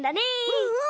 うんうん。